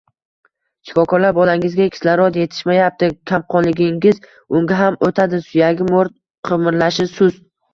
Shifokorlar bolangizga kislorod etishmayapti, kamqonligingiz unga ham o`tadi, suyagi mo`rt, qimirlashi sust